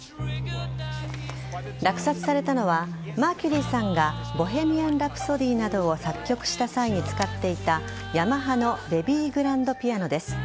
落札されたのはマーキュリーさんが「ボヘミアン・ラプソディ」などを作曲した際に使っていたヤマハのベビーグランドピアノです。